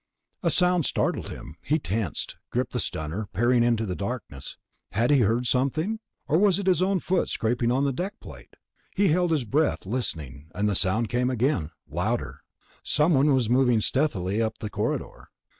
A sound startled him. He tensed, gripping the stunner, peering into the darkness. Had he heard something? Or was it his own foot scraping on the deck plate? He held his breath, listening, and the sound came again, louder. Someone was moving stealthily up the corridor.